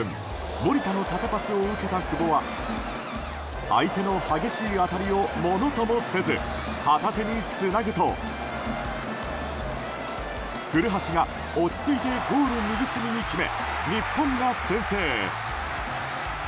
守田の縦パスを受けた久保は相手の激しい当たりをものともせず、旗手につなぐと古橋が落ち着いてゴール右隅に決め日本が先制。